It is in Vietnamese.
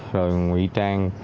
rồi nguy trang